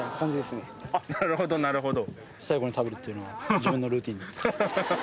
なるほどなるほど。